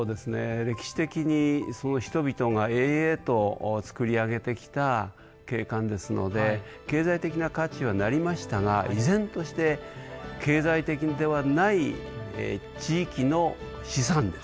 歴史的に人々が営々と作り上げてきた景観ですので経済的な価値はなりましたが依然として経済的ではない地域の資産です。